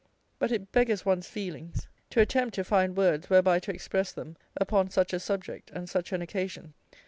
But it beggars one's feelings to attempt to find words whereby to express them upon such a subject and such an occasion.